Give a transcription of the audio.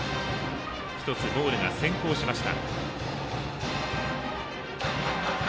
１つボールが先行しました。